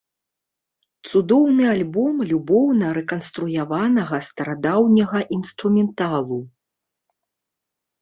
Цудоўны альбом любоўна рэканструяванага старадаўняга інструменталу.